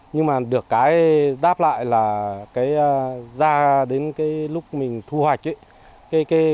nhưng mà được cái đáp lại là cái ra đến cái lúc mình thu hoạch ấy